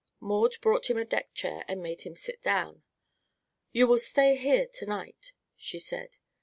Maud brought him a deck chair and made him sit down. "You will stay here to night," she said.